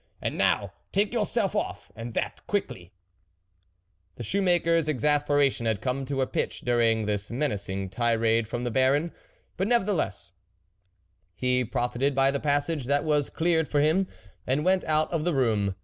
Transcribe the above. And now, take yourseli off, and that quickly !" The shoemaker's exasperation had come to a pitch during this menacing tirade from the Baron ; but, nevertheless, he pro ited by the passage that was cleared for lim, and went out of the room.